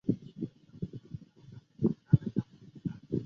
坂之上站指宿枕崎线的铁路车站。